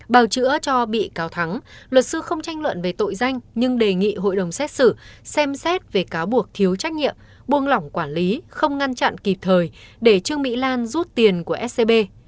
bào chữa cho bị cáo thắng luật sư không tranh luận về tội danh nhưng đề nghị hội đồng xét xử xem xét về cáo buộc thiếu trách nhiệm buông lỏng quản lý không ngăn chặn kịp thời để trương mỹ lan rút tiền của scb